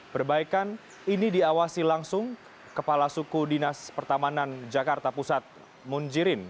perbaikan ini diawasi langsung kepala suku dinas pertamanan jakarta pusat munjirin